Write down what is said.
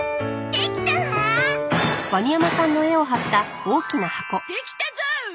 できたゾ！